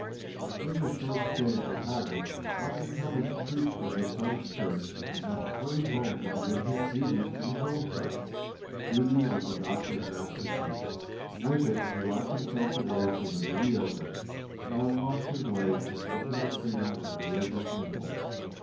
During a short stay in Chicago Dr. Talmage preached in his son's church, and then hurried home to begin his duties in his own church. Duty was the Doctor's master key; with it he locked himself away from the mediocre, and unlocked his way to ultimate freedom of religious impulse.